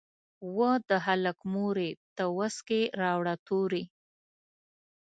"وه د هلک مورې ته وڅکي راوړه توري".